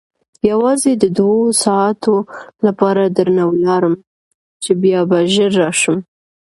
یوازې د دوو ساعتو لپاره درنه ولاړم چې بیا به ژر راشم.